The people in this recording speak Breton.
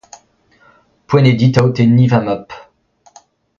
Poent eo dit aotenniñ va mab.